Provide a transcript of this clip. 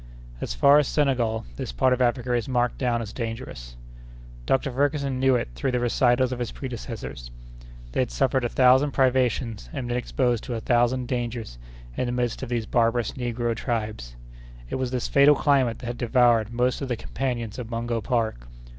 As far as Senegal, this part of Africa is marked down as dangerous. Dr. Ferguson knew it through the recitals of his predecessors. They had suffered a thousand privations and been exposed to a thousand dangers in the midst of these barbarous negro tribes. It was this fatal climate that had devoured most of the companions of Mungo Park.